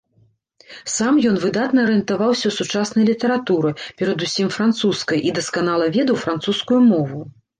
Сам ён выдатна арыентаваўся ў сучаснай літаратуры, перадусім французскай, і дасканала ведаў французскую мову.